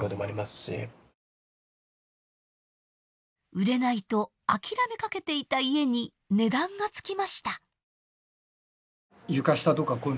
売れないと諦めかけていた家に値段がつきました。